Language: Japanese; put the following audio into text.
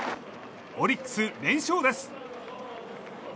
オリックス連勝です。